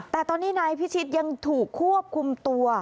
แต่ตอนนี้นายพิชิตยังถูกควบคุมตัว